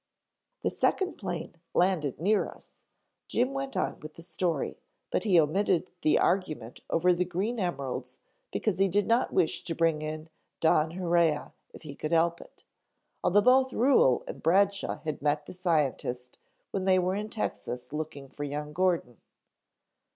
"The second plane landed near us," Jim went on with the story, but he omitted the argument over the green emeralds because he did not wish to bring in Don Haurea if he could help it, although both Ruhel and Bradshaw had met the scientist when they were in Texas looking for young Gordon.